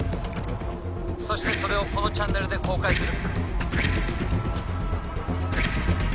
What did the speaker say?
そしてそれをこのチャンネルで公開する。